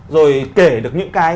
để kể được những cái